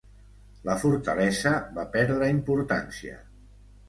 La fortalesa va perdre importància.